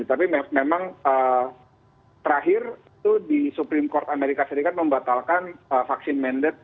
tapi memang terakhir itu di supreme court amerika serikat membatalkan vaksin mandat